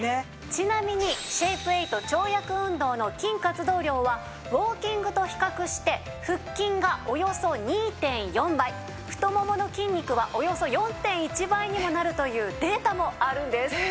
ちなみにシェイプエイト跳躍運動の筋活動量はウォーキングと比較して腹筋がおよそ２．４倍太ももの筋肉はおよそ４．１倍にもなるというデータもあるんです。